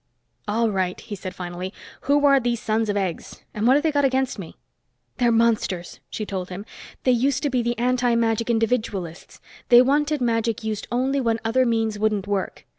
"All right," he said finally. "Who are these sons of eggs? And what have they got against me?" "They're monsters," she told him. "They used to be the antimagic individualists. They wanted magic used only when other means wouldn't work.